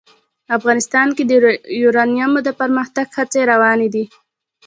افغانستان کې د یورانیم د پرمختګ هڅې روانې دي.